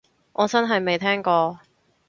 我真係未聽過